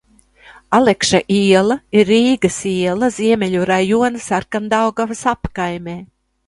Alekša iela ir Rīgas iela, Ziemeļu rajona Sarkandaugavas apkaimē.